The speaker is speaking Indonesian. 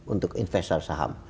untuk investor saham